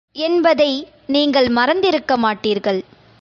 என்பதை நீங்கள் மறந்திருக்க மாட்டீர்கள்.